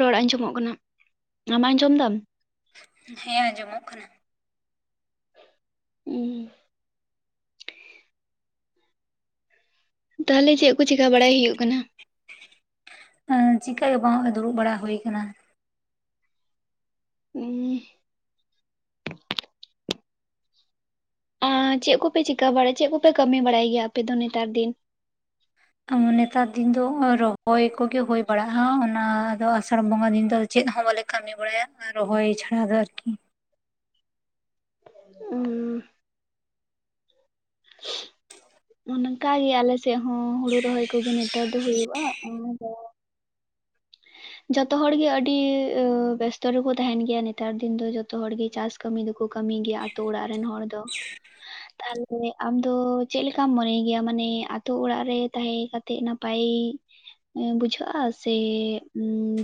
ᱨᱚᱲ ᱟᱸᱡᱚᱢᱚᱜ ᱠᱟᱱᱟ ᱟᱢ ᱟᱸᱡᱚᱢ ᱫᱟᱢ? ᱦᱮᱸ ᱟᱸᱡᱚᱢᱚᱜ ᱠᱟᱱᱟ ᱾ ᱦᱩᱸ ᱾ ᱛᱟᱦᱟᱞᱮ ᱪᱮᱜ ᱠᱚ ᱪᱤᱠᱟ ᱵᱟᱲᱟᱭ ᱦᱩᱭᱩᱜ ᱠᱟᱱᱟ? ᱦᱮ ᱪᱤᱠᱟᱹ ᱜᱮ ᱵᱟᱝ ᱮ ᱫᱩᱲᱩᱵ ᱵᱟᱲᱟ ᱦᱩᱭ ᱠᱟᱱᱟ᱾ ᱦᱩᱸ ᱟᱸ ᱪᱮᱜ ᱠᱚᱯᱮ ᱪᱤᱠᱟᱹ ᱵᱟᱲᱟᱭ ᱪᱮᱜ ᱠᱚᱯᱮ ᱠᱟᱹᱢᱤ ᱵᱟᱲᱟᱭ ᱜᱮᱭᱟ ᱟᱯᱮᱫ ᱫᱚ ᱱᱮᱛᱟᱨ ᱫᱤᱱ? ᱱᱮᱛᱟᱨ ᱫᱤᱱ ᱫᱚ ᱨᱚᱦᱚᱭ ᱠᱚᱜᱮ ᱦᱩᱭ ᱵᱟᱲᱟᱜᱼᱟ ᱚᱱᱟ ᱫᱚ ᱥᱟᱲ ᱵᱚᱸᱜᱟ ᱫᱤᱱ ᱫᱚ ᱪᱮᱫ ᱦᱚᱸ ᱵᱟᱞᱮ ᱠᱟᱹᱢᱤ ᱵᱟᱲᱟᱭᱟ ᱨᱚᱦᱚᱭ ᱪᱷᱟᱲᱟ ᱫᱚ ᱟᱨᱠᱤ [unintelligible] [unintelligible] ᱚᱝᱠᱟ ᱜᱤ ᱟᱞᱮᱥᱮᱜ ᱦᱚᱸ ᱦᱩᱲᱩ ᱨᱚᱦᱚᱭ ᱠᱚᱜᱤ ᱱᱮᱛᱟᱨ ᱫᱚ ᱦᱩᱭᱩᱜᱼᱟ ᱟᱨ ᱡᱚᱛᱚ ᱦᱚᱲᱜᱤ ᱟᱹᱰᱤ ᱵᱮᱥᱛᱚ ᱨᱮᱠᱚ ᱛᱟᱦᱮᱱ ᱜᱮᱭᱟ ᱱᱮᱛᱟᱨ ᱫᱤᱱ ᱫᱚ ᱡᱚᱛᱚᱦ ᱦᱚᱲᱜᱤ ᱪᱟᱥ ᱠᱟᱹᱢᱤ ᱫᱚᱠᱚ ᱠᱟᱹᱢᱤ ᱜᱮᱭᱟ ᱟᱛᱳ ᱚᱲᱟᱜ ᱨᱮᱱ ᱦᱚᱲ ᱫᱚ, ᱛᱟᱦᱮ ᱟᱢ ᱫᱚ ᱪᱮᱜ ᱞᱮᱠᱟᱢ ᱢᱚᱱᱮᱭ ᱜᱮᱭᱟ ᱢᱟᱱᱮ ᱟᱛᱳ ᱚᱲᱟᱜ ᱨᱮ ᱛᱟᱦᱮᱸ ᱠᱟᱛᱮᱜ ᱱᱟᱯᱟᱭ ᱵᱩᱡᱷᱟᱹᱜᱼᱟ ᱥᱮ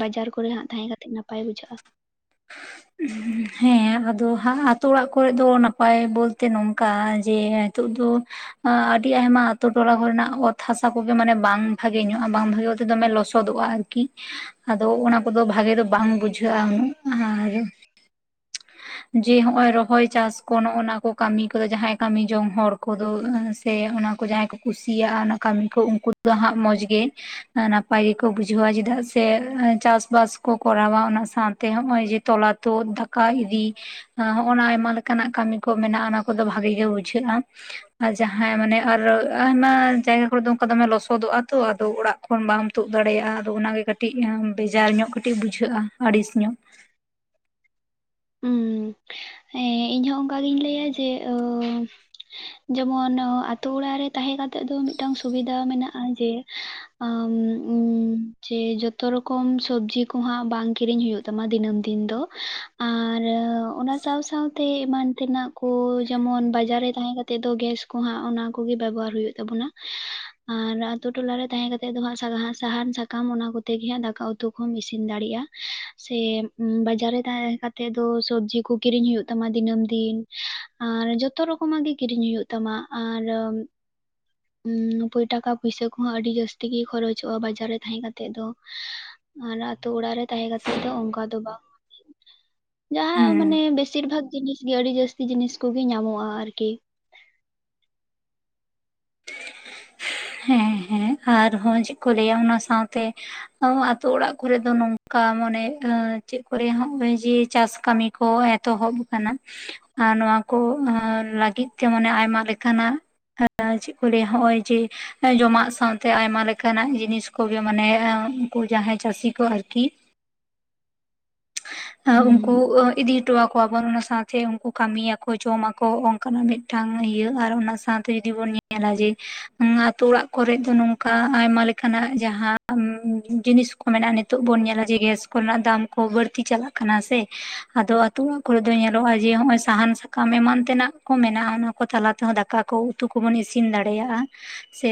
ᱵᱟᱡᱟᱨ ᱠᱚᱨᱮ ᱦᱟᱸᱜ ᱛᱟᱦᱮᱸ ᱠᱟᱛᱮᱜ ᱱᱟᱯᱟᱭ ᱵᱩᱡᱷᱟᱹᱜᱼᱟ? ᱦᱮᱸ ᱟᱫᱚ ᱟᱛᱳ ᱚᱲᱟᱜ ᱠᱚᱨᱮ ᱫᱚ ᱱᱟᱯᱟᱭ ᱵᱚᱞᱛᱮ ᱱᱚᱝᱠᱟ ᱡᱮ ᱱᱤᱛᱚᱜ ᱫᱚ ᱟᱹᱰᱤ ᱟᱭᱢᱟ ᱟᱛᱳ ᱴᱚᱞᱟ ᱠᱚᱨᱮᱱᱟᱜ ᱚᱛ ᱦᱟᱥᱟ ᱠᱚᱜᱮ ᱢᱟᱱᱮ ᱵᱟᱝ ᱵᱷᱟᱜᱮ ᱧᱚᱜᱼᱟ ᱵᱟᱝ ᱵᱷᱟᱜᱮ ᱵᱚᱞᱛᱮ ᱫᱚᱢᱮ ᱞᱚᱥᱚᱫᱚᱜᱼᱟ᱾ ᱠᱤ ᱟᱫᱚ ᱚᱱᱟ ᱠᱚᱫᱚ ᱵᱷᱟᱜᱮ ᱫᱚ ᱵᱟᱝ ᱵᱩᱡᱷᱟᱹᱜᱼᱟ ᱩᱱᱟᱹᱜ ᱟᱨ ᱡᱮ ᱦᱚᱸᱜᱼᱚᱭ ᱨᱚᱦᱚᱭ ᱪᱟᱥ ᱠᱚ ᱱᱚᱜᱼᱚᱱᱟ ᱠᱚ ᱠᱟᱢᱤ ᱠᱚᱫᱚ ᱡᱟᱦᱟᱸᱭ ᱠᱟᱹᱢᱤ ᱡᱚᱝ ᱦᱚᱲ ᱠᱚᱫᱚ ᱥᱮ ᱚᱱᱟ ᱠᱚ ᱡᱟᱦᱟᱸᱭ ᱠᱚ ᱠᱩᱥᱤᱭᱟᱜ ᱚᱱᱟ ᱠᱟᱹᱢᱤ ᱠᱚ ᱩᱝᱠᱩ ᱫᱚ ᱦᱟᱸᱜ ᱢᱚᱸᱡᱽ ᱜᱮ ᱱᱟᱯ ᱯᱟᱭ ᱜᱮᱠᱚ ᱵᱩᱡᱷᱟᱹᱣᱟ ᱪᱮᱫᱟᱜ ᱥᱮ ᱪᱟᱥ ᱵᱟᱥ ᱠᱚ ᱠᱚᱨᱟᱣᱟ ᱚᱱᱟ ᱥᱟᱶᱛᱮ ᱦᱚᱜ-ᱚᱭ ᱡᱮ ᱛᱚᱞᱟ ᱛᱚᱫ ᱫᱟᱠᱟ ᱤᱫᱤ ᱦᱚᱜᱼᱚᱱᱟ ᱟᱭᱢᱟ ᱞᱮᱠᱟᱱᱟᱜ ᱠᱟᱹᱢᱤ ᱠᱚ ᱢᱮᱱᱟᱜ-ᱟ ᱚᱱᱟ ᱠᱚᱫᱚ ᱵᱷᱟᱜᱤ ᱜᱮ ᱵᱩᱡᱷᱟᱹᱜ-ᱟ᱾ ᱟᱨ ᱡᱟᱦᱟᱸ ᱢᱟᱱᱮ ᱟᱨ ᱟᱭᱢᱟ ᱡᱟᱭᱜᱟ ᱠᱚᱨᱮ ᱫᱚ ᱚᱝᱠᱟ ᱫᱚᱢᱮ ᱞᱚᱥᱚᱫᱚᱜ-ᱟ᱾ ᱛᱚ ᱟᱫᱚ ᱚᱲᱟᱜ ᱠᱷᱚᱱ ᱵᱟᱢ ᱛᱩᱫ ᱫᱟᱲᱮᱭᱟᱜᱼᱟ᱾ ᱟᱫᱚ ᱚᱱᱟᱜᱮ ᱠᱟᱹᱴᱤᱡ ᱵᱮᱡᱟᱨ ᱧᱚᱜ ᱠᱟᱹᱴᱤᱡ ᱵᱩᱡᱷᱟᱹᱜᱼᱟ ᱟᱹᱲᱤᱥ ᱧᱚᱜ᱾ ᱩᱸ ᱦᱮᱸ ᱤᱧᱦᱚᱸ ᱚᱝᱠᱟ ᱜᱤᱧ ᱞᱟᱹᱭᱟ ᱡᱮ ᱚ ᱡᱮᱢᱚᱱ ᱚ ᱟᱛᱩ ᱚᱲᱟᱜ ᱨᱮ ᱛᱟᱦᱮᱸ ᱠᱟᱛᱮᱜ ᱫᱚ ᱢᱤᱫᱴᱟᱱ ᱥᱩᱵᱤᱫᱷᱟ ᱢᱮᱱᱟᱜᱼᱟ ᱡᱮ ᱟᱢ ᱤᱧ ᱡᱮ ᱡᱚᱛᱚ ᱨᱚᱠᱚᱢ ᱥᱚᱵᱽᱡᱤ ᱠᱚᱦᱟᱸᱜ ᱵᱟᱝ ᱠᱤᱨᱤᱧ ᱦᱩᱭᱩᱜ ᱛᱟᱢᱟ ᱫᱤᱱᱟᱹᱢ ᱫᱤᱱ ᱫᱚ᱾ ᱟᱨ ᱚᱱᱟ ᱥᱟᱶ ᱥᱟᱶᱛᱮ ᱮᱢᱟᱱ ᱛᱮᱱᱟᱜ ᱠᱚ ᱡᱮᱢᱚᱱ ᱵᱟᱡᱟᱨ ᱨᱮ ᱛᱟᱦᱮᱸ ᱠᱟᱛᱮᱜ ᱫᱚ ᱜᱮᱥ ᱠᱩᱦᱟᱸᱜ ᱚᱱᱟ ᱠᱚᱜᱮ ᱵᱮᱵᱚᱦᱟᱨ ᱦᱩᱭᱩᱜ ᱛᱟᱵᱚᱱᱟ ᱟᱨ ᱟᱛᱩ ᱴᱚᱞᱟᱨᱮ ᱛᱟᱦᱮᱸ ᱠᱟᱛᱮᱜ ᱫᱚ ᱦᱟᱸᱜ ᱥᱟᱨᱦᱟ ᱥᱟᱦᱟᱱ ᱥᱟ ᱟᱢ ᱚᱱᱟ ᱠᱚᱛᱮ ᱜᱮ ᱦᱟᱸᱜ ᱫᱟᱠᱟ ᱩᱛᱩ ᱠᱚᱢ ᱤᱥᱤᱱ ᱫᱟᱲᱮᱭᱟᱜᱼᱟ᱾ ᱥᱮ ᱵᱟᱡᱟᱨ ᱨᱮ ᱛᱟᱦᱮᱸ ᱠᱟᱛ ᱛᱮᱫ ᱫᱚ ᱥᱚᱵᱽᱡᱤ ᱠᱚ ᱠᱤᱨᱤᱧ ᱦᱩᱭᱩᱜ ᱛᱟᱢᱟ ᱫᱤᱱᱟᱹᱢ ᱫᱤᱱ ᱟᱨ ᱡᱚᱛᱚ ᱨᱚᱠᱚᱢᱟᱜ ᱜᱮ ᱠᱤᱨᱤᱧ ᱦᱩᱭᱩᱜ ᱛᱟᱢᱟ ᱟᱨᱚᱢ ᱩᱸ ᱴᱟᱠᱟ ᱯᱚᱭᱥᱟᱹ ᱠᱚᱸᱦᱚᱸ ᱟᱹᱰᱤ ᱡᱟᱹᱥᱛᱤ ᱜᱮ ᱠᱷᱚᱨᱚᱪᱚᱜᱼᱟ ᱵᱟᱡᱟᱨ ᱨᱮ ᱛᱟᱦᱮᱸ ᱠᱟᱛᱮᱜ ᱫᱚ᱾ ᱟᱨ ᱟᱛᱩ ᱚᱲᱟᱜ ᱨᱮ ᱛᱟᱦᱮᱸ ᱠᱟᱛᱮᱜ ᱫᱚ ᱚᱝᱠᱟ ᱫᱚ ᱵᱟᱝ᱾ ᱡᱟᱦᱟᱸ ᱦᱮᱸ ᱢᱟᱱᱮ ᱵᱮᱥᱤᱨ ᱵᱷᱟᱜᱽ ᱡᱤᱱᱤᱥᱜᱤ ᱟᱹᱰᱤ ᱡᱟᱹᱥᱛᱤ ᱡᱤᱱᱤᱥ ᱠᱚᱜᱮ ᱧᱟᱢᱚᱜᱼᱟ ᱟᱨᱠᱤ᱾ ᱦᱮᱸ ᱦᱮᱸ ᱟᱨᱦᱚᱸ ᱪᱮᱜ ᱠᱚ ᱞᱟᱹᱭᱟ ᱚᱱᱟ ᱥᱟᱶᱛᱮ ᱚ ᱟᱛᱳ ᱚᱲᱟᱜ ᱠᱚᱨᱮ ᱫᱚ ᱱᱚᱝᱠᱟ ᱢᱚᱱᱮ ᱪᱮᱫ ᱠᱚᱨᱮ ᱱᱚᱜᱼᱚᱭ ᱡᱮ ᱪᱟᱥ ᱠᱟᱹᱢᱤ ᱠᱚ ᱮᱛᱚᱦᱚᱵ ᱠᱟᱱᱟ᱾ ᱟᱨ ᱱᱚᱣᱟ ᱠᱚ ᱞᱟᱹᱜᱤᱫ ᱛᱮ ᱢᱟᱱᱮ ᱟᱭᱢᱟ ᱞᱮᱠᱟᱱᱟᱜ [unintelligible] ᱪᱮᱜ ᱠᱚ ᱞᱟᱹᱭᱟ ᱦᱚᱜᱼᱚᱭ ᱡᱮ ᱦᱮᱸ ᱡᱚᱢᱟᱜ ᱥᱟᱶᱛᱮ ᱟᱭᱢᱟ ᱞᱮᱠᱟᱱᱟᱜ ᱡᱤᱱᱤᱥ ᱠᱚᱜᱮ ᱢᱟᱱᱮ ᱩᱱᱠᱩ ᱡᱟᱦᱟᱸᱭ ᱪᱟᱹᱥᱤ ᱠᱚ ᱟᱨᱠᱤ ᱦᱩᱸ ᱩᱱᱠᱩ ᱤᱫᱤ ᱦᱚᱴᱚᱣᱟᱠ ᱠᱚᱣᱟᱵᱚᱱ ᱚᱱᱟ ᱥᱟᱶᱛᱮ ᱩᱱᱠᱩ ᱠᱟᱹᱢᱤᱭᱟᱠᱚ ᱡᱚᱢᱟᱠᱚ ᱚᱱᱠᱟᱱᱟᱜ ᱢᱤᱫᱴᱟᱝ ᱤᱭᱟᱹ ᱟᱨ ᱚᱱᱟ ᱥᱟᱶᱛᱮ ᱡᱩᱫᱤ ᱵᱚᱱ ᱧᱮ ᱧᱮᱞᱟ ᱡᱮ [unintelligible] ᱛᱳ ᱚᱲᱟᱜ ᱠᱚᱨᱮ ᱫᱚ ᱱᱚᱝᱠᱟ ᱟᱭᱢᱟ ᱞᱮᱠᱟᱱᱟᱜ ᱡᱟᱦᱟᱸ ᱡᱤᱱᱤᱥ ᱠᱚ ᱢᱮᱱᱟᱜᱼᱟ ᱱᱤᱛᱚᱜ ᱵᱚᱱ ᱧᱮᱞᱟ ᱡᱮ ᱜᱮᱥ ᱠᱚ ᱠᱚᱨᱮᱱᱟᱜ ᱫᱟᱢ ᱠᱚ ᱵᱟᱹᱲᱛᱤ ᱪᱟᱞᱟᱜ ᱠᱟᱱᱟ ᱥᱮ ᱟᱫᱚ ᱟᱛᱩ ᱚᱲᱟᱜ ᱠᱚᱨᱮ ᱫᱚ ᱧᱮᱞᱚᱜ-ᱟ ᱡᱮ ᱦᱚᱸᱜ-ᱚᱭ ᱥᱟᱦᱟᱱ ᱥᱟᱠᱟᱢ ᱮᱢᱟᱱ ᱛᱮᱱᱟᱜ ᱠᱚ ᱢᱮᱱᱟᱜᱼᱟ ᱚᱱᱟ ᱠᱚ ᱛᱟᱞᱟ ᱛᱮᱦᱚᱸ ᱫᱟᱠᱟ ᱠᱚ ᱩᱛᱩ ᱠᱚᱵᱚᱱ ᱤᱥᱤᱱ ᱫᱟᱲᱮᱭᱟᱜᱼᱟ ᱥᱮ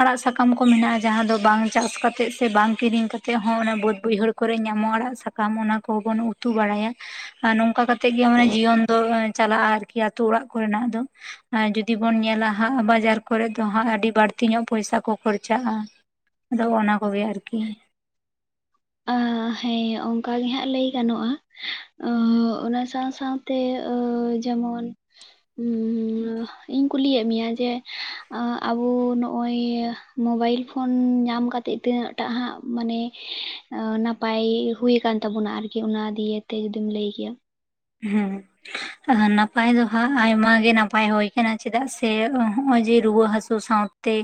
ᱟᱲᱟᱜ ᱥᱟᱠᱟᱢ ᱠᱚ ᱢᱮᱱᱟᱜᱼᱟ ᱡᱟᱦᱟᱸ ᱫᱚ ᱵᱟᱝ ᱪᱟᱥ ᱠᱟᱛᱮ ᱥᱮ ᱵᱟᱝ ᱠᱤᱨᱤᱧ ᱠᱟᱛᱮ ᱦᱚᱸ ᱚᱱᱟ ᱵᱟᱹᱫᱽ ᱵᱟᱹᱭᱦᱟᱹᱲ ᱠᱚᱨᱮ ᱧᱟᱢᱚᱜᱼᱟ ᱟᱲᱟᱜ ᱥᱟᱠᱟᱢ ᱚᱱᱟ ᱠᱚᱦᱚᱸ ᱵᱚᱱ ᱩᱛᱩ ᱵᱟᱲᱟᱭᱟ ᱟᱨ ᱱᱚᱝᱠᱟ ᱠᱟᱛᱮᱜ ᱜᱮ ᱢᱟᱱᱮ ᱡᱤᱭᱚᱱ ᱫᱚ ᱪᱟᱞᱟᱜᱼᱟ ᱟᱨᱠᱤ ᱟᱛᱩ ᱚᱲᱟᱜ ᱠᱚᱨᱮᱱᱟᱜ ᱫᱚ᱾ ᱟᱨ ᱡᱩᱫᱤ ᱵᱚᱱ ᱧᱮᱞᱟ ᱦᱟᱸᱜ ᱵᱟᱡᱟᱨ ᱠᱚᱨᱮ ᱫᱚ ᱦᱟᱸᱜ ᱟᱹᱰᱤ ᱵᱟᱲᱛᱤ ᱧᱚᱜ ᱯᱚᱭᱥᱟ ᱠᱚ ᱠᱷᱚᱨᱪᱟᱜᱼᱟ ᱟᱫᱚ ᱚᱱᱟ ᱠᱚᱜᱮ ᱟᱨᱠᱤ ᱟ ᱦᱮᱸ ᱚᱝᱠᱟᱜᱮ ᱦᱟᱸᱜ ᱞᱟᱹᱭ ᱜᱟᱱᱚᱜ-ᱟ᱾ ᱚ ᱚᱱᱟ ᱥᱟᱶ ᱥᱟᱶᱛᱮ ᱡᱮᱢᱚᱱ ᱩ ᱤᱧ ᱠᱩᱞᱤᱭᱮᱫ ᱢᱮᱭᱟ ᱡᱮ ᱟᱵᱩ ᱱᱚᱜᱼᱚᱭ ᱢᱳᱵᱟᱭᱤᱞ ᱯᱷᱳᱱ ᱧᱟᱢ ᱠᱟᱛᱮᱜ ᱛᱤᱱᱟᱹᱜ ᱴᱟᱜ ᱦᱟᱸᱜ ᱢᱟᱱᱮ ᱮᱸ ᱚ ᱱᱟᱯᱟᱭ ᱦᱩᱭ ᱟᱠᱟᱱ ᱛᱟᱵᱚᱱᱟ ᱟᱨᱠᱤ ᱚᱱᱟ ᱫᱤᱭᱮᱛᱮ ᱡᱩᱫᱤᱢ ᱞᱟᱹᱭ ᱠᱮᱭᱟ? ᱦᱩᱸ ᱟᱨ ᱱᱟᱯᱟᱭ ᱫᱚᱦᱟᱸᱜ ᱟᱭᱢᱟᱜᱮ ᱱᱟᱯᱟᱭ ᱦᱩᱭ ᱟᱠᱟᱱᱟ ᱾ ᱪᱮᱫᱟᱜ ᱥᱮ ᱦᱚᱸᱜᱼᱚᱭ ᱡᱮ ᱨᱩᱣᱟᱹ ᱦᱟᱹᱥᱩ ᱥᱟᱶ ᱛᱮ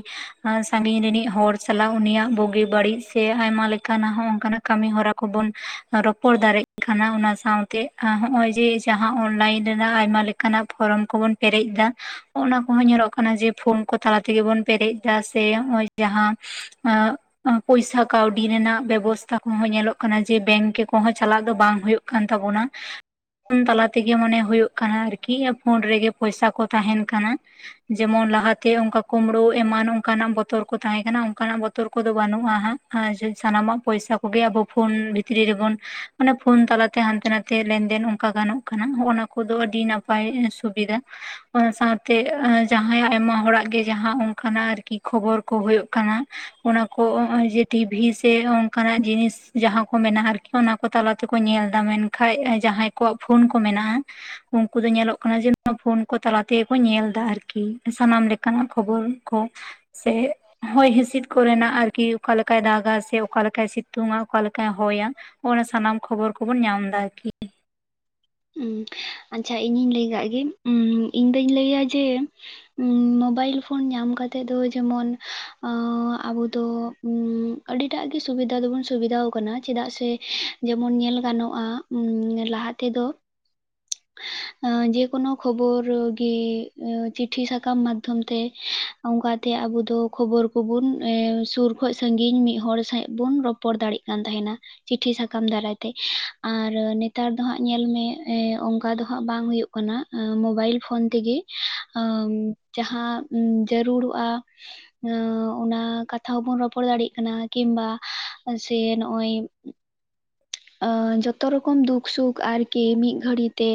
ᱥᱟᱺᱜᱤᱧ ᱨᱤᱱᱤᱡ ᱦᱚᱲ ᱥᱟᱞᱟᱜ ᱩᱱᱤᱭᱟᱜ ᱵᱩᱜᱤ ᱵᱟᱹᱲᱤᱡ ᱥᱮ ᱟᱭᱢᱟ ᱞᱮᱠᱟᱱᱟᱜ ᱦᱚᱸ ᱦᱚᱜᱠᱟᱱᱟᱜ ᱠᱟᱹᱢᱤ ᱦᱚᱨᱟ ᱠᱚᱵᱚᱱ ᱨᱚᱯᱚᱲ ᱫᱟᱲᱮᱜ ᱠᱟᱱᱟ ᱚᱱᱟ ᱥᱟᱶᱛᱮ ᱦᱚᱜᱼᱚᱭ ᱡᱮ ᱡᱟᱦᱟᱸ ᱚᱱᱞᱟᱭᱤᱱ ᱨᱮᱱᱟᱜ ᱟᱭᱢᱟ ᱞᱮᱠᱟᱱᱟᱜ ᱯᱷᱚᱨᱚᱢ ᱠᱚᱵᱚᱱ ᱯᱮᱨᱮᱡ ᱫᱟ ᱚᱱᱟ ᱠᱚᱦᱚᱸ ᱧᱮᱞᱚᱜ ᱠᱟᱱᱟ ᱡᱮ ᱯᱷᱳᱱ ᱠᱚ ᱛᱟᱞᱟ ᱛᱮᱜᱮ ᱵᱚᱱ ᱯᱮᱨᱮᱡ ᱫᱟ ᱥᱮ ᱱᱚᱜᱼᱚᱭ ᱡᱟᱦᱟᱸ ᱟ ᱯᱚᱭᱥᱟ ᱠᱟᱹᱣᱰᱤ ᱨᱮᱱᱟᱜ ᱵᱮᱵᱚᱥᱛᱟ ᱠᱚᱦᱚᱸ ᱧᱮᱞᱚᱜ ᱠᱟᱱᱟ ᱡᱮ ᱵᱮᱝᱠᱮ ᱠᱚᱦᱚᱸ ᱪᱟᱞᱟᱜ ᱫᱚ ᱵᱟᱝ ᱦᱳᱭᱳᱜ ᱠᱟᱱ ᱛᱟᱵᱚᱱᱟ᱾ ᱯᱷᱩᱱ ᱛᱟᱞᱟ ᱛᱮᱜᱮ ᱢᱚᱱᱮ ᱦᱚᱭᱩᱜ ᱠᱟᱱᱟ ᱟᱨᱠᱤ ᱯᱷᱳᱱ ᱨᱮᱜᱮ ᱯᱚᱭᱥᱟ ᱠᱚ ᱛᱟᱦᱮᱱ ᱠᱟᱱᱟ᱾ ᱡᱮᱢᱚᱱ ᱞᱟᱦᱟ ᱛᱮ ᱚᱱᱠᱟ ᱠᱚᱢᱵᱽᱲᱳ ᱮᱢᱟᱱ ᱚᱱᱠᱟ ᱱᱟᱜ ᱵᱚᱛᱚᱨ ᱠᱚ ᱛᱟᱦᱮᱸ ᱠᱟᱱᱟ ᱚᱱᱠᱟ ᱱᱟᱜ ᱵᱚᱛᱚᱨ ᱠᱚᱫᱚ ᱵᱟᱱᱩᱜᱼᱟ ᱦᱟᱸᱜ᱾ ᱟᱨ ᱡᱮ ᱥᱟᱱᱟᱢᱟᱜ ᱯᱚᱭᱥᱟ ᱠᱚᱜᱮ ᱟᱵᱚ ᱯᱷᱳᱱ ᱵᱷᱤᱛᱨᱤ ᱨᱮᱵᱚᱱ, ᱢᱟᱱᱮ ᱯᱷᱳᱱ ᱛᱟᱞᱟ ᱛᱮ ᱦᱟᱱᱛᱮ ᱱᱟᱛᱮ ᱞᱮᱱ ᱫᱮᱱ ᱚᱱᱠᱟ ᱜᱟᱱᱚᱜ ᱠᱟᱱᱟᱜ ᱚᱱᱟ ᱠᱚᱫᱚ ᱟᱹᱰᱤ ᱱᱟᱯᱟᱭ ᱥᱩᱵᱤᱫᱟ᱾ ᱚᱱᱟ ᱥᱟᱶᱛᱮ ᱟᱸ ᱡᱟᱦᱟᱸ ᱭᱟᱜ ᱟᱭᱢᱟ ᱦᱚᱲᱟᱜ ᱜᱮ ᱡᱟᱦᱟᱸ ᱚᱱᱠᱟ ᱱᱟᱜ ᱟᱨᱠᱤ ᱠᱷᱚᱵᱚᱨ ᱠᱚ ᱦᱳᱭᱳᱜ ᱠᱟᱱᱟ ᱚᱱᱟ ᱠᱚ ᱚᱜᱼᱚᱭ ᱡᱮ ᱴᱤᱵᱷᱤ ᱥᱮ ᱚᱝᱠᱟ ᱱᱟᱜ ᱡᱤᱱᱤᱥ ᱡᱟᱦᱟ ᱠᱚ ᱢᱮᱱᱟᱜᱼᱟ ᱟᱨᱠᱤ ᱚᱱᱟ ᱠᱚ ᱛᱟᱞᱟ ᱛᱮᱠᱚ ᱧᱮᱞ ᱫᱟ, ᱢᱮᱱᱠᱷᱟᱡ ᱮ ᱡᱟᱦᱟᱸᱭ ᱠᱚᱣᱟᱜ ᱯᱷᱳᱱ ᱠᱚ ᱢᱮᱱᱟᱜᱼᱟ ᱩᱝᱠᱩ ᱫᱚ ᱧᱮᱞᱚᱜ ᱠᱟᱱᱟ ᱡᱮ ᱯᱷᱳᱱ ᱠᱚ ᱛᱟᱞᱟ ᱛᱮᱜᱮ ᱠᱚ ᱧᱮᱞ ᱫᱟ ᱟᱨᱠᱤ, ᱥᱟᱱᱟᱢ ᱞᱮᱠᱟ ᱱᱟᱜ ᱠᱷᱚᱵᱚᱨ᱾ ᱠᱚ ᱥᱮ ᱦᱚᱭ ᱦᱤᱥᱤᱫ ᱠᱚᱨ ᱮᱱᱟᱜ ᱟᱨᱠᱤ ᱚᱠᱟ ᱞᱮᱠᱟᱭ ᱫᱟᱜᱟ ᱥᱮ ᱚᱠᱟ ᱞᱮᱠᱟᱭ ᱥᱤᱛ ᱛᱩᱝᱟ ᱚᱠᱟ ᱞᱮᱠᱟᱭ ᱦᱚᱭᱟ ᱚᱱᱟ ᱥᱟᱱᱟᱢ ᱠᱷᱚᱵᱚᱨ ᱠᱚᱵᱚᱱ ᱧᱟᱢ ᱫᱟ ᱟᱨ ᱠᱤ᱾ ᱩᱸ ᱟᱪᱪᱷᱟ ᱤᱧᱤᱧ ᱞᱟᱹᱭ ᱠᱟᱜ ᱜᱮ ᱩᱸ ᱤᱧ ᱫᱩᱧ ᱞᱟᱹᱭᱟ ᱡᱮ ᱩᱸ ᱢᱳᱵᱟᱭᱤᱞ ᱯᱷᱳᱱ ᱧᱟᱢ ᱠᱟᱛᱮᱜ ᱡᱮᱢᱚᱱ ᱚᱸ ᱟᱵᱚ ᱫᱚ ᱩᱸ ᱟᱹᱰᱤ ᱴᱟᱜ ᱜᱮ ᱥᱩᱵᱤᱫᱟ ᱫᱚᱵᱩᱱ ᱥᱩᱵᱤᱫᱟᱣ ᱠᱟᱱᱟ ᱪᱮᱫᱟᱜ ᱥᱮ ᱡᱮᱢᱚᱱ ᱧᱮᱞ ᱜᱟᱱᱚᱜ-ᱟ᱾ ᱩᱸ ᱞᱟᱦᱟ ᱛᱮᱫᱚ ᱟᱹ ᱡᱮ ᱠᱚᱱᱚ ᱠᱷᱚᱵᱚᱨ ᱜᱮ ᱚ ᱪᱤᱴᱷᱤ ᱥᱟᱠᱟᱢ ᱢᱟᱫᱽᱫᱷᱚᱢ ᱛᱮ ᱚᱝᱠᱟ ᱛᱮ ᱟᱵᱚ ᱫᱚ ᱠᱷᱚᱵᱚᱨ ᱠᱩᱵᱩᱱ ᱮ ᱥᱩᱨ ᱠᱷᱚᱡ ᱥᱟᱺᱜᱤᱧ ᱢᱤᱫ ᱦᱚᱲ ᱥᱟᱶ ᱦᱮᱜ ᱵᱩᱱ ᱨᱚᱯ ᱯᱚᱲ ᱫᱟᱲᱤᱜ ᱠᱟᱱ ᱛᱟᱦᱮᱱᱟ ᱪᱤᱴᱷᱤ ᱥᱟᱠᱟᱢ ᱫᱟᱨᱟᱭ ᱛᱮ, ᱟᱨ ᱱᱮᱛᱟᱨ ᱫᱚ ᱦᱟᱸᱜ ᱧᱮᱞ ᱢᱮ ᱮ ᱚᱝᱠᱟ ᱫᱚ ᱦᱟᱸᱜ ᱵᱟᱝ ᱦᱳᱭᱳᱜ ᱠᱟᱱᱟ᱾ ᱢᱳᱵᱟᱭᱤᱞ ᱯᱷᱳᱱ ᱛᱮᱜᱮ ᱟᱝ ᱡᱟᱦᱟᱸ ᱡᱟᱹᱨᱩᱲᱚᱜ-ᱟ᱾ ᱚᱸ ᱚᱱᱟ ᱠᱟᱛᱷᱟ ᱦᱚᱸᱵᱚᱱ ᱨᱚᱯᱚᱲ ᱫᱟᱲᱤᱜ ᱠᱟᱱᱟ ᱠᱤᱢᱵᱟ ᱥᱮ ᱱᱚᱜ-ᱚᱭᱼᱼ ᱚᱸ ᱡᱚᱛᱚ ᱨᱚᱠᱚᱢ ᱫᱩᱠ ᱥᱩᱠ ᱟᱨᱠᱤ ᱢᱤᱫ ᱜᱷᱟᱹᱲᱤ ᱛᱮ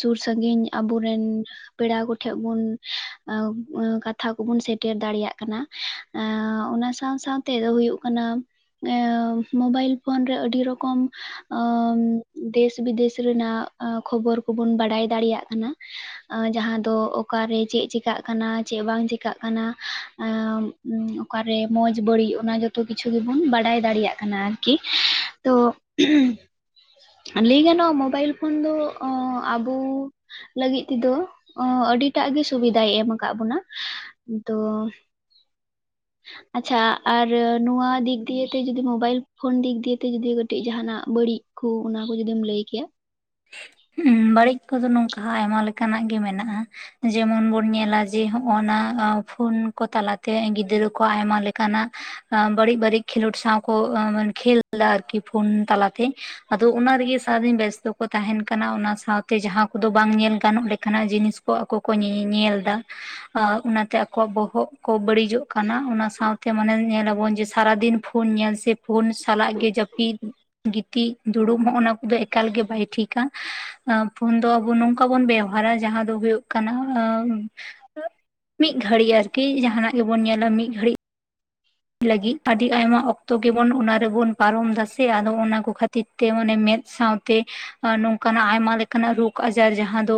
ᱥᱩᱨ ᱥᱟᱺᱜᱤᱧ ᱟᱵᱚ ᱨᱮᱱᱼᱼ ᱯᱮᱲᱟ ᱠᱚᱴᱷᱮᱜ ᱵᱚᱱ ᱠᱟᱛᱷᱟ ᱠᱚᱵᱚᱱ ᱥᱮᱴᱮᱨ ᱫᱟᱲᱤᱭᱟᱜ ᱠᱟᱱᱟ᱾ ᱮᱸ ᱚᱱᱟ ᱥᱟᱶ ᱥᱟᱶ ᱛᱮ ᱫᱚ ᱦᱩᱭᱩᱜ ᱠᱟᱱᱟᱼᱼ ᱮᱸ ᱢᱳᱵᱟᱭᱤᱞ ᱯᱷᱳᱱ ᱨᱮ ᱟᱹᱰᱤ ᱨᱚᱼᱼ ᱠᱚᱢ ᱚᱢ ᱫᱮᱥ ᱵᱤᱫᱮᱥ ᱨᱮᱱᱟᱜ ᱠᱷᱚᱵᱚᱨ ᱠᱚᱵᱚᱱ ᱵᱟᱰᱟᱭ ᱫᱟᱲᱮᱭᱟᱜ ᱠᱟᱱᱟ᱾ ᱟᱸ ᱡᱟᱦᱟᱸ ᱫᱚ ᱚᱠᱟᱨᱮ ᱪᱮᱜ ᱪᱤᱠᱟᱜ ᱠᱟᱱᱟ ᱪᱮᱜ ᱵᱟᱝ ᱪᱤᱠᱟᱜ ᱠᱟᱱᱟ, ᱟᱢᱼᱼ ᱩᱸ ᱚᱠᱟᱨᱮ ᱢᱚᱸᱡᱽ ᱵᱟᱹᱲᱤᱡ ᱚᱱᱟ ᱡᱚᱛᱚ ᱠᱤᱪᱷᱩ ᱜᱤᱵᱩᱱ ᱵᱟᱰᱟᱭ ᱫᱟᱲᱤᱭᱟᱜ ᱠᱟᱱᱟ ᱟᱨᱠᱤ᱾ ᱛᱚ ᱩᱸᱦᱩᱸ ᱞᱟᱹᱭ ᱜᱟᱱᱚᱜ-ᱟ ᱢᱳᱵᱟᱭᱤᱞ ᱯᱷᱩᱱ ᱫᱚ ᱟᱵᱩᱼᱼ ᱞᱟᱹᱜᱤᱫ ᱛᱮᱫᱚ ᱟᱹᱰᱤᱴᱟᱜ ᱜᱮ ᱥᱩᱵᱤᱫᱟᱭ ᱮᱢ ᱟᱠᱟᱜ ᱵᱚᱱᱟ, ᱫᱚᱼᱼ ᱟᱪᱪᱷᱟ ᱟᱨ ᱱᱩᱣᱟ ᱫᱤᱠ ᱫᱤᱭᱮ ᱛᱮ ᱡᱚᱫᱤ ᱢᱳᱵᱟᱭᱤᱞ ᱯᱷᱳᱱ ᱫᱤᱠ ᱫᱤᱭᱮ ᱡᱚᱫᱤ ᱠᱟᱹᱴᱤᱡ ᱡᱟᱦᱟᱸ ᱱᱟᱜ ᱵᱟᱹᱲᱤᱡᱼᱼ ᱠᱷᱩ ᱩᱱᱟ ᱠᱩ ᱡᱩᱫᱤᱢ ᱞᱟᱹᱭ ᱠᱮᱭᱟ? ᱩᱸᱢ ᱵᱟᱹᱲᱤᱡ ᱠᱚᱫᱚ ᱱᱩᱝᱠᱟ ᱟᱭᱢᱟ ᱞᱮᱠᱟ ᱱᱟᱜ ᱜᱮ ᱢᱮᱱᱟᱜ-ᱟ᱾ ᱡᱮᱢᱚᱱ ᱵᱚᱱ ᱧᱮᱞᱟ ᱡᱮ ᱦᱚᱸᱜ-ᱚᱱᱟ ᱯᱷᱳᱱ ᱠᱚ ᱛᱟᱞᱟ ᱛᱮ ᱜᱤᱫᱽᱨᱟᱹ ᱠᱚ ᱟᱭᱢᱟ ᱞᱮᱠᱟ ᱱᱟᱜᱼᱼ ᱵᱟᱹᱲᱤᱡ ᱵᱟᱹᱲᱤᱡ ᱠᱷᱮᱞᱳᱰ ᱥᱟᱶ ᱠᱚ ᱮ ᱠᱷᱮᱞ ᱮᱫᱟ ᱟᱨᱠᱤ ᱯᱷᱳᱱ ᱛᱟᱞᱟ ᱛᱮ᱾ ᱟᱫᱚ ᱚᱱᱟ ᱨᱮᱜᱮ ᱥᱟᱨᱟ ᱫᱤᱱ ᱵᱮᱥᱛᱚ ᱠᱚ ᱛᱟᱦᱮᱸᱱᱼᱼ ᱠᱟᱱᱟ ᱚᱱᱟ ᱥᱟᱶᱛᱮ ᱡᱟᱦᱟᱸ ᱠᱚᱫᱚ ᱵᱟᱝ ᱧᱮᱞ ᱜᱟᱱᱚᱜ ᱞᱮᱠᱟ ᱱᱟᱜ ᱡᱤᱱᱤᱥ ᱠᱚ ᱟᱠᱚ ᱠᱚ ᱧᱮ ᱧᱮᱞ ᱫᱟ᱾ ᱟ ᱚᱱᱟᱛᱮ ᱟᱠᱚᱣᱟᱜ ᱵᱚᱦᱚᱜ ᱠᱚ ᱵᱟᱹᱲᱤᱡᱚᱜ ᱠᱟᱱᱟ ᱚᱱᱟ ᱥᱟᱶᱛᱮ ᱢᱟᱱᱮ ᱧᱮᱞᱟ ᱵᱚᱱ ᱡᱮᱼᱼ ᱥᱟᱨᱟ ᱫᱤᱱ ᱯᱷᱩᱱ ᱧᱮᱞ ᱥᱮ ᱯᱷᱩᱱ ᱥᱟᱞᱟᱜ ᱜᱮ ᱡᱟᱹᱯᱤᱫᱼᱼ ᱜᱤᱛᱤᱡ ᱫᱩᱲᱩᱵ ᱦᱚᱸᱜ-ᱱᱟ ᱠᱚᱫᱚ ᱮᱠᱟᱞ ᱜᱮ ᱵᱟᱭ ᱴᱷᱤᱠᱟ ᱯᱷᱩᱱ ᱫᱚ ᱟᱵᱩᱼᱼ ᱠᱟ ᱵᱚᱱ ᱵᱮᱣᱦᱟᱨᱟ ᱡᱟᱦᱟᱸ ᱫᱚ ᱦᱩᱭᱩᱜ ᱠᱟᱱᱟ ᱚᱸ ᱢᱤᱫ ᱜᱷᱟᱹᱲᱤ ᱟᱨᱠᱤ ᱡᱟᱦᱟᱸ ᱱᱟᱜᱼᱼ ᱜᱮ ᱵᱚᱱ ᱧᱮᱞᱟ ᱢᱤᱫ ᱜᱷᱟᱹᱲᱤᱜ᱾ ᱞᱟᱹᱜᱤᱫ ᱟᱹᱰᱤ ᱟᱭᱢᱟ ᱚᱠᱛᱚ ᱜᱮᱵᱚᱱ ᱚᱱᱟ ᱨᱮᱵᱚᱱ ᱯᱟᱨᱚᱢ ᱫᱟ ᱥᱮ ᱟᱫᱚ ᱚᱱᱟ ᱠᱚ ᱠᱷᱟᱹᱛᱤᱨ ᱼᱼ ᱛᱮ ᱢᱟᱱᱮ ᱢᱮᱫ ᱥᱟᱶᱛᱮ ᱟᱸ ᱱᱚᱝᱠᱟ ᱱᱟᱜ ᱟᱭᱢᱟ ᱞᱮᱠᱟ ᱱᱟᱜ ᱨᱳᱜᱽ ᱟᱡᱟᱨ ᱡᱟᱦᱟᱸ ᱫᱚᱼᱼ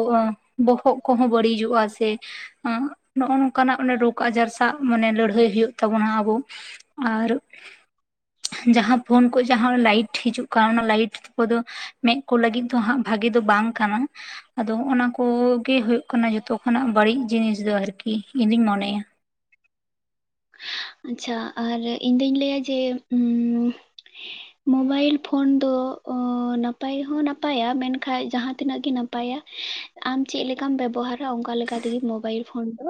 ᱵᱚᱦᱚᱜ ᱠᱚᱦᱚᱸ ᱵᱟᱹᱲᱤᱡᱩᱜ-ᱟ ᱥᱮᱼᱼ ᱚᱸᱜ ᱱᱚᱜ-ᱚ ᱱᱚᱝᱠᱟ ᱱᱟᱜ ᱨᱳᱜᱽ ᱟᱡᱟᱨ ᱥᱟᱜ ᱢᱟᱱᱮ ᱞᱟᱹᱲᱦᱟᱹᱭ ᱦᱩᱭᱩᱜ ᱛᱟᱵᱚᱱᱟ ᱟᱵᱚ᱾ ᱟᱨᱼᱼ ᱡᱟᱦᱟᱸ ᱯᱷᱳᱱ ᱠᱚ ᱡᱟᱦᱟᱸ ᱞᱟᱭᱤᱴ ᱦᱤᱡᱩᱜ ᱠᱟᱱ ᱚᱱᱟ ᱞᱟᱭᱤᱴ ᱠᱚᱫᱚ ᱢᱮᱸᱫ ᱠᱚ ᱞᱟᱹᱜᱤᱫ ᱫᱚ ᱦᱟᱸᱜ ᱵᱷᱟᱜᱤ ᱫᱚ ᱵᱟᱝ ᱠᱟᱱᱟ ᱟᱫᱚ ᱦᱚᱜᱼᱚᱱᱟ ᱠᱚᱜᱮ ᱦᱩᱭᱩᱜ ᱠᱟᱱᱟ ᱡᱚᱛᱚ ᱠᱷᱚᱱᱟᱜ ᱵᱟᱹᱲᱤᱡ ᱡᱤᱱᱤᱥ ᱫᱚ ᱟᱨᱠᱤ ᱤᱧᱫᱚᱧ ᱢᱚᱱᱮᱭᱟ᱾ ᱟᱪᱪᱷᱟ ᱟᱨ ᱤᱧ ᱫᱩᱧ ᱞᱟᱹᱭᱟ ᱡᱮ ᱩᱸᱻ [unintelligible] ᱢᱳᱵᱟᱭᱤᱞ ᱯᱷᱳᱱ ᱫᱚ ᱚᱸ ᱱᱟᱯᱟᱭ ᱦᱚᱸ ᱱᱟᱯᱟᱭᱟ ᱢᱮᱱᱠᱷᱟᱡ ᱡᱟᱦᱟᱸ ᱛᱤᱱᱟᱹᱜ ᱜᱮ ᱱᱟᱯᱟᱭᱟ ᱟᱢ ᱪᱮᱫ ᱞᱮᱠᱟᱢ ᱵᱮᱵᱚᱦᱟᱨᱟ ᱚᱱᱠᱟ ᱞᱮᱠᱟ ᱛᱮᱜᱮ ᱢᱳᱵᱟᱭᱤᱞ ᱯᱷᱳᱱ ᱫᱚ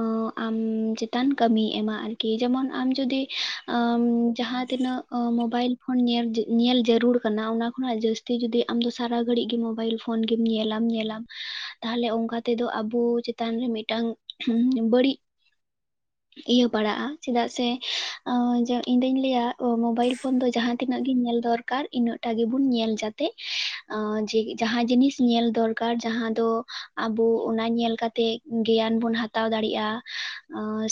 ᱚᱸ ᱟᱢ ᱪᱮᱛᱟᱱ ᱠᱟᱹᱢᱤᱭ ᱮᱢᱟ ᱟᱨᱼᱼ ᱠᱤ ᱡᱮᱢᱚᱱ ᱟᱢ ᱡᱩᱫᱤ ᱟᱢ ᱡᱟᱦᱟᱸ ᱛᱤᱱᱟᱹᱜ ᱢᱳᱚᱵᱟᱭᱤᱞ ᱯᱷᱳᱱ ᱧᱮᱞ ᱡᱟᱹ ᱧᱮᱞ ᱡᱟᱹᱨᱩᱲ ᱚᱱᱟ ᱠᱷᱚᱱᱟᱜ ᱡᱟᱹᱥᱛᱤ ᱡᱩᱫᱤ ᱟᱢ ᱥᱟᱨᱟ ᱜᱷᱟᱹᱲᱤᱡ ᱜᱮ ᱢᱳᱵᱟᱭᱤᱞ ᱯᱷᱳᱱ ᱜᱮᱢ ᱧᱮᱞᱟᱢ ᱧᱮᱞᱟᱢ ᱛᱟᱦᱞᱮ ᱚᱱᱠᱟ ᱛᱮᱫᱚ ᱟᱵᱚ ᱪᱮᱛᱟᱱ ᱨᱮ ᱢᱤᱫᱴᱟᱝ ᱩᱢ ᱵᱟᱹᱲᱤᱡᱼᱼ [unintelligible] ᱤᱭᱟᱹ ᱵᱟᱲᱟᱜᱼᱟ ᱪᱮᱫᱟᱜ ᱥᱮ ᱟᱸ ᱡᱮ ᱤᱧ ᱫᱩᱧ ᱞᱟᱹᱭᱟ ᱢᱳᱚᱵᱟᱭᱤᱞ ᱯᱷᱳᱱ ᱫᱚ ᱡᱟᱦᱟᱸᱛᱤᱱᱟᱹᱜ ᱜᱮ ᱧᱮᱞ ᱫᱚᱨᱼᱼ ᱠᱟᱨ ᱤᱱᱟᱹᱜᱴᱟ ᱜᱮᱵᱚᱱ ᱧᱮᱞ ᱡᱟᱛᱮ ᱡᱮ ᱡᱟᱦᱟᱸ ᱡᱤᱱᱤᱥ ᱧᱮᱞ ᱫᱚᱨᱠᱟᱨ ᱡᱟᱦᱟᱸ ᱫᱚ ᱟᱵᱚ ᱚᱱᱟ ᱧᱮᱞ ᱠᱟᱛᱮᱜ ᱜᱮᱭᱟᱱ ᱵᱚᱱ ᱦᱟᱛᱟᱣ ᱫᱟᱲᱮᱭᱟᱜᱼᱟ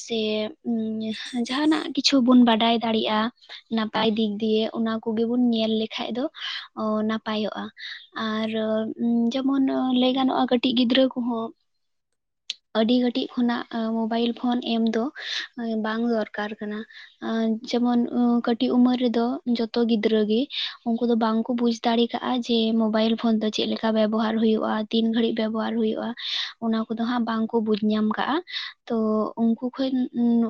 ᱥᱮᱼᱼ ᱡᱟᱸᱦᱟ ᱱᱟᱜ ᱠᱤᱪᱷᱩ ᱵᱩᱱ ᱵᱟᱰᱟᱭ ᱫᱟᱲᱮᱭᱟᱜᱼᱟ ᱱᱟᱯᱟᱭ ᱫᱤᱜ ᱫᱤᱭᱮ ᱚᱱᱟ ᱠᱚᱜᱮᱵᱩᱱ ᱧᱮᱞ ᱞᱮᱠᱟᱡ ᱫᱚ ᱱᱟᱯᱟᱭᱚᱜᱼᱟ ᱟᱨ ᱡᱮᱢᱚᱱ ᱞᱟᱹᱭ ᱜᱟᱱᱚᱜᱼᱟ ᱠᱟᱹᱴᱤᱡ ᱜᱤᱫᱽᱨᱟᱹ ᱠᱚᱦᱚᱸ [unintelligible] ᱟᱹᱰᱤ ᱠᱟᱹᱴᱤᱡ ᱠᱷᱚᱱᱟᱜ ᱟᱸ ᱢᱳᱵᱟᱭᱤᱞ ᱯᱷᱳᱱ ᱮᱢ ᱫᱚ ᱵᱟᱝ ᱫᱚᱨᱠᱟᱨ ᱠᱟᱱᱟ ᱡᱮᱢᱚᱱ ᱩᱸ ᱠᱟᱹᱴᱤᱡ ᱩᱢᱮᱨ ᱨᱮᱫᱚ ᱡᱚᱛᱚ ᱜᱤᱫᱽᱨᱟᱹᱜᱤ ᱩᱱᱠᱩ ᱫᱚ ᱵᱟᱝᱠᱚ ᱵᱩᱡᱽ ᱫᱟᱲᱮ ᱠᱟᱜᱼᱟ ᱡᱮ ᱢᱳᱵᱟᱭᱤᱞ ᱯᱷᱳᱱ ᱫᱚ ᱪᱮᱫ ᱞᱮᱠᱟ ᱵᱮᱵᱚᱦᱟᱨ ᱦᱩᱭᱩᱜᱼᱟ? ᱛᱤᱱ ᱜᱷᱟᱹᱲᱤᱡ ᱵᱮᱵᱚᱦᱟᱨ ᱦᱩᱭᱩᱜᱼᱟ? ᱚᱱᱟ ᱠᱚᱫᱚ ᱦᱟᱸᱜ ᱵᱟᱝᱠᱚ ᱵᱩᱡᱽ ᱧᱟᱢ ᱠᱟᱜᱼᱟ᱾ ᱛᱚ ᱩᱱᱠᱩ ᱠᱷᱚᱡ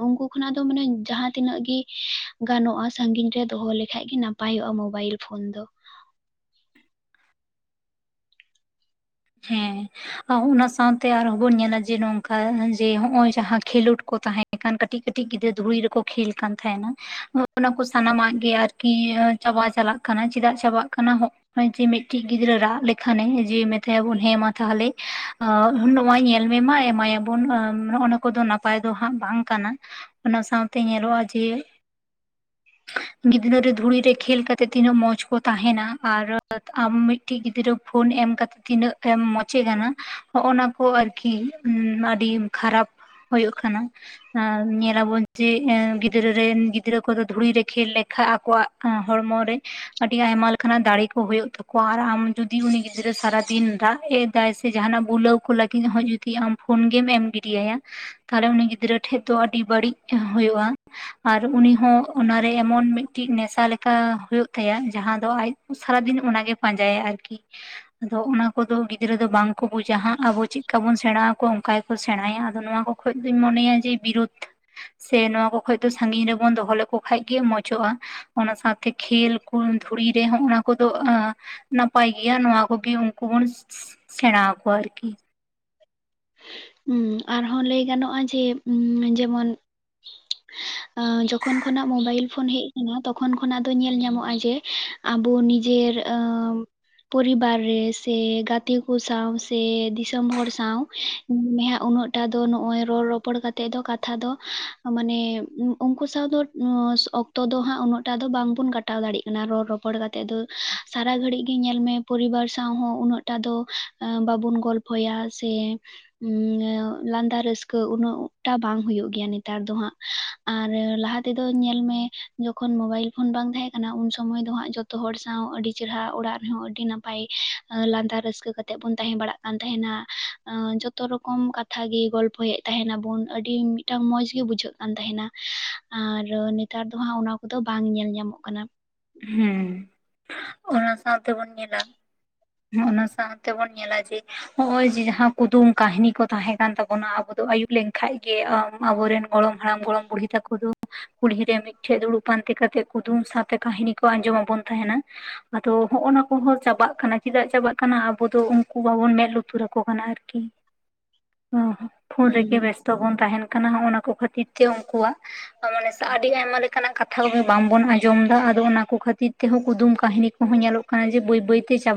ᱩᱱᱠᱩ ᱠᱷᱚᱱᱟᱜ ᱫᱚ ᱢᱟᱱᱮ ᱡᱟᱦᱟᱸ ᱛᱤᱱᱟᱹᱜ ᱜᱮ ᱜᱟᱱᱚᱜᱼᱟ, ᱥᱟᱹᱜᱤᱧ ᱨᱮ ᱫᱚᱦᱚ ᱞᱮᱠᱷᱟᱡ ᱜᱮ ᱱᱟᱯᱟᱭᱚᱜᱼᱟ᱾ ᱢᱳᱚᱵᱟᱭᱤᱞ ᱯᱷᱳᱱ ᱫᱚ᱾ ᱦᱮᱸ ᱚᱱᱟ ᱥᱟᱶᱛᱮ ᱟᱨᱦᱚᱸ ᱵᱚᱱ ᱧᱮᱞᱟ ᱡᱮ ᱱᱚᱝᱠᱟ ᱡᱮ ᱦᱚᱭᱚᱜ ᱡᱟᱦᱟᱸ ᱠᱷᱮᱞᱳᱰ ᱠᱚ ᱛᱟᱦᱮᱸᱱ ᱮᱱᱠᱷᱟᱱ ᱠᱟᱹᱴᱤᱡ- ᱠᱟᱹᱴᱤᱡ ᱜᱤᱫᱽᱨᱟᱹ ᱫᱷᱩᱲᱤ ᱨᱮᱠᱚ ᱠᱷᱮᱞ ᱠᱟᱱ ᱛᱟᱦᱮᱱᱟ᱾ ᱚᱱᱟ ᱠᱚ ᱥᱟᱱᱟᱢᱟᱜ ᱜᱮ ᱟᱨ ᱠᱤ ᱟᱨ ᱪᱟᱵᱟ ᱪᱟᱞᱟᱜ ᱠᱟᱱᱟ᱾ ᱪᱮᱫᱟᱜ ᱪᱟᱵᱟᱜ ᱠᱟᱱᱟ ᱦᱚᱸᱜ? ᱱᱚᱜᱚᱭ ᱡᱮ ᱢᱤᱫᱴᱤᱡ ᱜᱤᱫᱽᱨᱟᱹ ᱨᱟᱜ ᱞᱮᱠᱷᱟᱱᱮ ᱡᱮ ᱢᱮ ᱛᱷᱮ ᱵᱚᱱ ᱦᱮᱢᱟ ᱛᱷᱟᱦᱟᱞᱮ ᱟᱹ ᱱᱚᱜ ᱚᱭ ᱧᱮᱞᱢᱮ ᱢᱟᱹᱭ ᱮᱢᱟᱭᱟᱵᱚᱱ ᱟᱹ ᱱᱚᱜᱼᱚᱸ ᱱᱚᱣᱟ ᱠᱚᱫᱚ ᱱᱟᱯ ᱯᱟᱭ ᱫᱚ ᱦᱟᱸᱜ ᱵᱟᱝ ᱠᱟᱱᱟ᱾ ᱚᱱᱟ ᱥᱟᱶᱛᱮ ᱧᱮᱞᱚᱜᱼᱟ ᱡᱮ [unintelligible] ᱜᱤᱫᱽᱨᱟᱹᱨᱮ ᱫᱷᱩᱲᱤ ᱨᱮ ᱠᱷᱮᱞ ᱠᱟᱛᱮᱫ ᱛᱤᱱᱟᱹᱜ ᱢᱚᱸᱡᱽ ᱠᱚ ᱛᱟᱦᱮᱱᱟ ᱟᱨ ᱟᱢ ᱠᱟᱴᱤᱡ ᱜᱤᱫᱽᱨᱟᱹ ᱯᱷᱳᱱ ᱮᱢ ᱠᱟᱛᱮ ᱛᱤᱱᱟᱹᱜ ᱮᱢ ᱢᱚᱪᱮ ᱠᱟᱱᱟ ᱦᱚᱸᱜ, ᱚᱱᱟ ᱠᱚ ᱟᱨᱠᱤ ᱟᱹᱰᱤ ᱠᱷᱟᱨᱟᱯ ᱦᱳᱭᱳᱜ ᱠᱟᱱᱟ᱾ ᱟᱨ ᱧᱮᱞᱟᱵᱚᱱ ᱪᱮᱫ ᱮᱸ ᱜᱤᱫᱽᱨᱟᱹ ᱨᱮᱱ ᱜᱤᱫᱽᱨᱟᱹ ᱠᱚᱫᱚ ᱫᱷᱩᱲᱤ ᱨᱮ ᱠᱷᱮᱞ ᱞᱮᱠᱷᱟᱜ ᱟᱠᱚᱣᱟᱜ ᱟᱸ ᱦᱚᱲᱢᱚ ᱨᱮ ᱟᱹᱰᱤ ᱟᱭᱢᱟ ᱞᱮᱠᱷᱟᱱᱟ ᱫᱟᱲᱮ ᱠᱚ ᱦᱩᱭᱩᱜ ᱛᱟᱠᱚᱣᱟ ᱟᱨ ᱟᱢ ᱡᱩᱫᱤ ᱩᱱᱤ ᱜᱤᱫᱽᱨᱟᱹ ᱥᱟᱨᱟ ᱫᱤᱱ ᱫᱟᱜ ᱮᱫᱟᱭ ᱥᱮ ᱡᱟᱦᱟᱱᱟᱜ ᱵᱩᱞᱟᱹᱣ ᱠᱚ ᱞᱟᱹᱜᱤᱫ ᱦᱚᱸ ᱡᱩᱫᱤ ᱟᱢ ᱯᱷᱳᱱ ᱜᱮᱢ ᱮᱢ ᱜᱤᱰ ᱟᱭᱟ᱾ ᱛᱟᱦᱚᱞᱮ ᱩᱱᱤ ᱜᱤᱫᱽᱨᱟᱹ ᱴᱷᱮᱡ ᱫᱚ ᱟᱹᱰᱤ ᱵᱟᱹᱲᱤᱡ ᱦᱩᱭᱩᱜᱼᱟ᱾ ᱟᱨ ᱩᱱᱤ ᱦᱚᱸ ᱚᱱᱟᱨᱮ ᱮᱢᱚᱱ ᱢᱤᱫᱴᱮᱡ ᱱᱮᱥᱟ ᱞᱮᱠᱟ ᱦᱩᱭᱩᱜ ᱛᱟᱭᱟ ᱡᱟᱦᱟᱸ ᱫᱚ ᱟᱡ ᱥᱟᱨᱟᱫᱤᱱ ᱚᱱᱟᱜᱮ ᱯᱟᱸᱡᱟᱭᱟ, ᱟᱨᱠᱤ᱾ ᱟᱫᱚ ᱚᱱᱟ ᱠᱚᱫᱚ ᱜᱤᱫᱽᱨᱟᱹ ᱫᱚ ᱵᱟᱝ ᱠᱚ ᱵᱩᱡᱟ ᱦᱟᱸᱜ, ᱟᱵᱚ ᱪᱮᱫᱠᱟ ᱵᱚᱱ ᱥᱮᱬᱟ ᱟᱠᱚᱣᱟ ᱚᱱᱠᱟ ᱜᱮᱠᱚ ᱥᱮᱬᱟᱭᱟ᱾ ᱟᱫᱚ ᱱᱚᱣᱟ ᱦᱚᱸ ᱠᱷᱚᱡᱫᱚᱧ ᱢᱚᱱᱮᱭᱟ ᱡᱮ ᱵᱤᱨᱩᱫᱽ ᱥᱮ ᱱᱚᱣᱟ ᱠᱚ ᱠᱷᱚᱡ ᱫᱚ ᱥᱟᱹᱜᱤᱧ ᱨᱮᱵᱚᱱ ᱫᱚᱦᱚ ᱞᱮᱠᱚ ᱠᱷᱟᱡ ᱜᱮ ᱢᱚᱸᱡᱽᱜᱼᱟ᱾ ᱚᱱᱟ ᱥᱟᱶᱛᱮ ᱠᱷᱮᱞ ᱠᱚ ᱫᱷᱩᱲᱤ ᱨᱮᱦᱚᱸ ᱚᱱᱟ ᱠᱚᱫᱚ ᱟᱸ ᱱᱟᱯᱟᱭ ᱜᱮᱭᱟ᱾ ᱱᱚᱣᱟ ᱠᱚ ᱠᱚᱩᱜᱤ ᱩᱱᱠᱩ ᱵᱚᱱ ᱥᱮᱬᱟ ᱟᱠᱚᱣᱟ ᱟᱨᱠᱤ᱾ ᱩᱸ ᱟᱨᱦᱚᱸ ᱞᱟᱹᱭ ᱜᱟᱱᱚᱜᱼᱟ ᱡᱮᱸ ᱩᱸ ᱡᱮᱢᱚᱱ [inaudible] ᱟᱸ ᱡᱚᱠᱷᱚᱱ ᱠᱷᱚᱱᱟᱜ ᱢᱳᱵᱟᱭᱤᱞ ᱯᱷᱳᱱ ᱦᱮᱡ ᱟᱠᱟᱱᱟ, ᱛᱚᱠᱷᱚᱱ ᱠᱷᱚᱱᱟᱜ ᱫᱚ ᱧᱮᱞ ᱧᱟᱢᱚᱜᱼᱟ ᱡᱮ ᱟᱵᱚ ᱱᱤᱡᱮᱨ ᱟᱸ ᱯᱚᱨᱤᱵᱟᱨ ᱨᱮ ᱥᱮ ᱜᱟᱛᱮ ᱠᱚ ᱥᱟᱶ ᱥᱮ ᱫᱤᱥᱚᱢ ᱦᱚᱲ ᱥᱟᱶ ᱩᱭ ᱩᱱᱟᱹᱜ ᱴᱟ ᱫᱚ ᱱᱚᱜ-ᱚᱭ ᱨᱚᱲ ᱨᱚᱯᱚᱲ ᱠᱟᱛᱮ ᱫᱚ ᱠᱟᱛᱷᱟ ᱫᱚ ᱢᱟᱱᱮ ᱩᱱᱠᱩ ᱥᱟᱶ ᱫᱚ ᱚᱠᱛᱚ ᱫᱚ ᱦᱟᱸᱜ ᱩᱱᱟᱹᱜ ᱴᱟᱜ ᱫᱚ ᱵᱟᱝ ᱵᱩᱱ ᱠᱟᱴᱟᱣ ᱫᱟᱲᱮᱭᱟᱜ ᱠᱟᱱᱟ᱾ ᱨᱚᱲ ᱨᱚᱯᱚ ᱨᱚᱯᱚᱲ ᱠᱟᱛᱮ ᱫᱚ ᱥᱟᱨᱟ ᱜᱷᱟᱹᱲᱤ ᱜᱮ ᱧᱮᱞ ᱢᱮ ᱯᱚᱨᱤᱵᱟᱨ ᱥᱟᱶ ᱦᱚᱸ ᱩᱱᱟᱹᱜ ᱴᱟ ᱫᱚ ᱮᱸ ᱵᱟᱵᱩᱱ ᱜᱚᱞᱯᱚᱭᱟ ᱥᱮ ᱦᱩᱸ ᱞᱟᱸᱫᱟ ᱨᱟᱹᱥᱠᱟᱹ ᱩᱱᱟᱹᱜᱴᱟ ᱵᱟᱝ ᱦᱩᱭᱩᱜ ᱜᱮᱭᱟ, ᱱᱮᱛᱟᱨ ᱫᱚ ᱦᱟᱸᱜ᱾ ᱟᱨ ᱞᱟᱦᱟ ᱛᱮᱫᱚ ᱧᱮᱞ ᱢᱮ ᱡᱚᱠᱷᱚᱱ ᱢᱳᱵᱟᱭᱤᱞ ᱯᱷᱳᱱ ᱵᱟᱝ ᱛᱟᱦᱮᱸ ᱠᱟᱱᱟ, ᱩᱱ ᱥᱚᱢᱚᱭ ᱫᱚ ᱦᱟᱸᱜ ᱡᱚᱛ ᱡᱚᱛᱚ ᱦᱚᱲ ᱥᱟᱶ ᱟᱹᱰᱤ ᱪᱮᱦᱨᱟ ᱚᱲᱟᱜ ᱨᱮᱦᱚᱸ ᱟᱹᱰᱤ ᱱᱟᱯᱟᱭ ᱞᱟᱸᱫᱟ ᱨᱟᱹᱥᱠᱟᱹ ᱠᱟᱛᱮ ᱵᱚᱱ ᱛᱟᱦᱮᱸ ᱵᱟᱲᱟᱜ ᱠᱟᱱᱟ᱾ ᱠᱟᱱ ᱛᱟᱦᱮᱸᱱᱟ᱾ ᱡᱚᱛᱚ ᱨᱚᱠᱚᱢ ᱠᱟᱛᱷᱟ ᱜᱮ ᱜᱚᱞᱯᱚᱭᱮᱫ ᱛᱟᱦᱮᱱᱟ ᱵᱚᱱ ᱟᱹᱰᱤ ᱢᱤᱫᱴᱟᱝ ᱢᱚᱸᱡ ᱜᱮ ᱵᱩᱡᱷᱟᱹᱜ ᱠᱟᱱ ᱛᱟᱦᱮᱱᱟ᱾ ᱟᱨ ᱱᱮᱛᱟᱨ ᱫᱚ ᱦᱟᱸᱜ᱾ ᱚᱱᱟ ᱠᱚᱫᱚ ᱵᱟᱝ ᱧᱮᱞ ᱧᱟᱢᱚᱜ ᱠᱟᱱᱟ᱾ ᱦᱮᱸ ᱚᱱᱟ ᱥᱟᱶᱛᱮ ᱵᱚᱱ ᱧᱮᱞᱟ᱾ ᱦᱩᱸ ᱚᱱᱟ ᱥᱟᱶᱛᱮ ᱵᱩᱱ ᱧᱮᱞᱟ ᱡᱮ ᱦᱚᱸᱜ-ᱚᱭ ᱡᱮ ᱡᱟᱦᱟᱸ ᱠᱩᱫᱩᱢ ᱠᱟᱹᱦᱤᱱᱤ ᱠᱚ ᱛᱟᱦᱮᱸ ᱠᱟᱱ ᱛᱟᱵᱚᱱᱟ ᱟᱵᱚ ᱫᱚ ᱟᱭᱩᱵ ᱞᱮᱱᱠᱷᱟᱡᱽ ᱜᱮ ᱟᱵᱚ ᱨᱮᱱ ᱜᱚᱲᱚᱢ ᱦᱟᱲᱟᱢ- ᱜᱚᱲᱚᱢ ᱵᱩᱲᱦᱤ ᱛᱟᱠᱚ ᱫᱚ ᱠᱩᱞᱦᱤ ᱨᱮ ᱢᱤᱫᱴᱷᱮᱜᱽ ᱫᱩᱲᱩᱵ ᱯᱟᱱᱛᱮ ᱠᱟᱛᱮᱜ ᱠᱩᱫᱩᱢ ᱥᱟᱸᱛᱮ ᱠᱟᱦᱤᱱᱤ ᱠᱚ ᱟᱸᱡᱚᱢᱟᱜ ᱵᱚᱱ ᱛᱟᱦᱮᱱᱟ᱾ ᱟᱫᱚ ᱦᱚᱸᱜ-ᱚ ᱱᱟ ᱠᱚᱦᱚᱸ ᱪᱟᱵᱟᱜ ᱠᱟᱱᱟ ᱪᱮᱫᱟᱜ ᱪᱟᱵᱟᱜ ᱠᱟᱱᱟ ᱟᱵᱚ ᱫᱚ ᱩᱱᱠᱩ ᱵᱟᱵᱚᱱ ᱢᱮᱸᱫ ᱞᱩᱛᱩᱨᱟ ᱠᱚ ᱠᱟᱱᱟ ᱟᱨᱠᱤ᱾ ᱯᱷᱳᱱ ᱨᱮᱜᱮ ᱦᱩᱸ ᱵᱮᱥᱛᱚ ᱵᱚᱱ ᱛᱟᱦᱮᱱ ᱠᱟᱱᱟ ᱦᱚᱸᱜ-ᱚ ᱱᱟ ᱠᱚ ᱠᱷᱟᱹᱛᱤᱨ ᱛᱮ ᱩᱱᱠᱩᱣᱟᱜ ᱢᱟᱱᱮ ᱟᱹᱰᱤ ᱟᱭᱢᱟ ᱞᱮᱠᱟᱱᱟᱜ ᱠᱟᱛᱷᱟ ᱠᱚᱜᱮ ᱵᱟᱝ ᱵᱚᱱ ᱟᱸᱡᱚᱢᱮᱫᱟ ᱚᱱᱟ ᱠᱚ ᱠᱷᱟᱹᱛᱤᱨ ᱛᱮᱦᱚᱸ ᱠᱩᱫᱩᱢ ᱠᱟᱦᱤᱱᱤ ᱠᱚᱦᱚᱸ ᱧᱮᱞᱚᱜ ᱠᱟᱱᱟ ᱡᱮ ᱵᱟᱹᱭ ᱵᱟᱹᱭᱛᱮ ᱪᱟᱵᱟ᱾